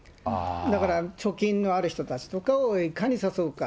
だから貯金のある人たちとかをいかに誘うか。